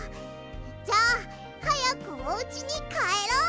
じゃあはやくおうちにかえろう！